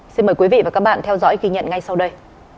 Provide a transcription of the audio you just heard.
xin mời quý vị và các bạn theo dõi ghi nhận ngay sau đây